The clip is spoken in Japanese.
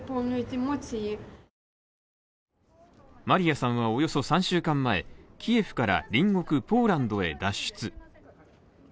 マリヤさんはおよそ３週間前、キエフから隣国ポーランドへ脱出。